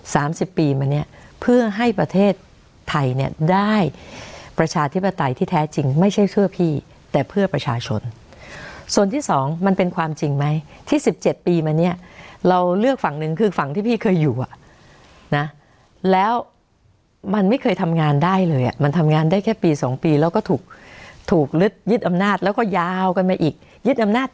สามสิบปีมาเนี้ยเพื่อให้ประเทศไทยเนี่ยได้ประชาธิปไตยที่แท้จริงไม่ใช่เพื่อพี่แต่เพื่อประชาชนส่วนที่สองมันเป็นความจริงไหมที่สิบเจ็ดปีมาเนี้ยเราเลือกฝั่งหนึ่งคือฝั่งที่พี่เคยอยู่อ่ะนะแล้วมันไม่เคยทำงานได้เลยอ่ะมันทำงานได้แค่ปีสองปีแล้วก็ถูกถูกยึดยึดอำนาจแล้วก็ยาวกันมาอีกยึดอำนาจ